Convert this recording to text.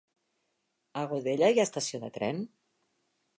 A Godella hi ha estació de tren?